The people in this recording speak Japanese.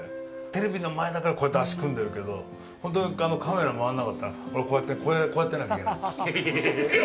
テレビの前だからこうやって足組んでるけど本当は、カメラ回らなかったら俺こうやってなきゃいけないんですよ。